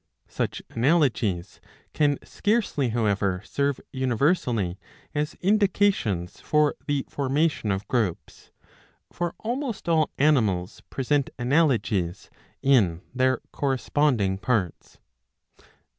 Such analogies can scarcely how ever serve universally as indications for the formation of groups, for almost all animals present analogies in their corresponding parts.